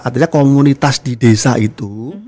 artinya komunitas di desa itu